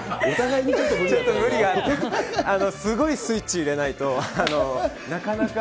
すごいスイッチ入れないと、なかなか。